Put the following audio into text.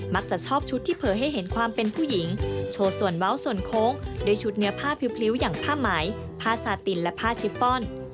จะชอบชุดที่เผยให้เห็นความเป็นผู้หญิงโชว์ส่วนเว้าส่วนโค้งด้วยชุดเนื้อผ้าพริ้วอย่างผ้าไหมผ้าสาตินและผ้าชิปฟอน